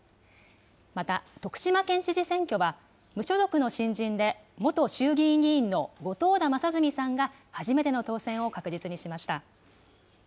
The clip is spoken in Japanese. また徳島県知事選挙は無所属の新人で、元衆議院議員の後藤田正純さんが初めての当選を確実にしました。